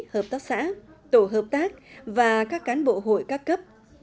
hợp tác xã tổ hợp tác và các cán bộ hội các cấp